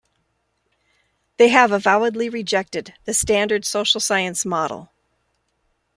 They have avowedly rejected the standard social science model.